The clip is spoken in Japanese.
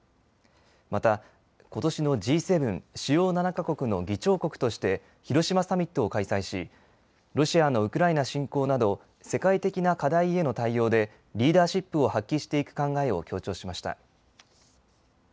また、ことしのＧ７・主要７か国の議長国として広島サミットを開催しロシアのウクライナ侵攻など世界的な課題への対応でリーダーシップを発揮していく考えを強調しました。